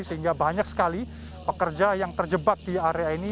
sehingga banyak sekali pekerja yang terjebak di area ini